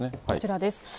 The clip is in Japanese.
こちらです。